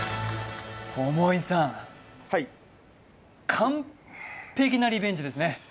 友井さんはい完璧なリベンジですね